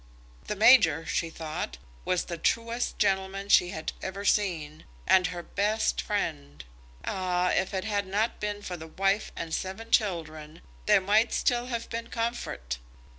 The major, she thought, was the truest gentleman she had ever seen, and her best friend. Ah; if it had not been for the wife and seven children, there might still have been comfort!